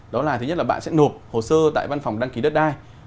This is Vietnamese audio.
đó là thứ nhất là bạn sẽ nộp hồ sơ tại văn phòng đăng ký đất đai